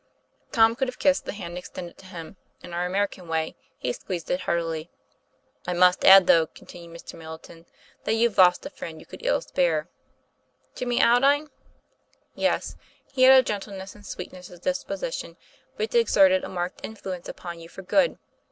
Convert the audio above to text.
Tom could have kissed the hand extended to him; in our American way, he squeezed it heartily. 44 1 must add, though," continued Mr. Middleton, "that you've lost a friend you could ill spare." " Jimmy Aldine?" " Yes; he had a gentleness and sweetness of dispo sition which exerted a marked influence upon you for good.